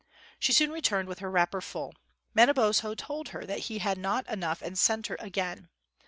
She soon returned with her wrapper full. Manabozho told her that he had not enough and sent her again.